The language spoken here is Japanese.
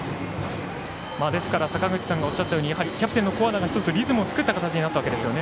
ですから、坂口さんがおっしゃったようにキャプテンの古和田が一つ、リズムを作った形になったわけですよね。